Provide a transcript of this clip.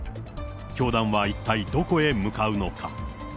教団は一体どこへ向かうのか。